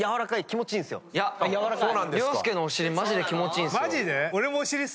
涼介のお尻マジで気持ちいいんすよ。